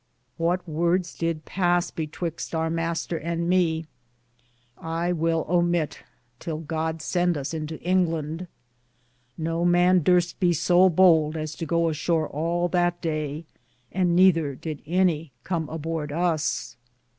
What wordes did pass betwyxte our Mr. and me I will omitt till God send us into Inglande. No man durste be so boulde as to goo ashore all that Daye, nether did any com abord us.